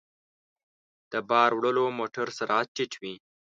د بار وړلو موټر سرعت ټيټ وي.